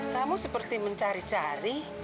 kamu seperti mencari cari